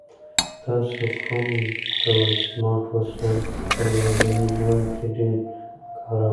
تاسو کوم ډول سمارټ وسایل په خپل ورځني ژوند کې ډېر کاروئ؟